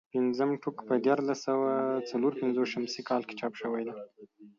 پنځم ټوک په دیارلس سوه څلور پنځوس شمسي کال کې چاپ شوی دی.